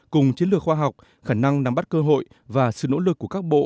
cùng chiến lược khoa học khả năng nắm bắt cơ hội và sự nỗ lực của các bộ